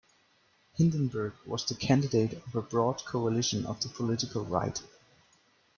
Hindenburg was the candidate of a broad coalition of the political right.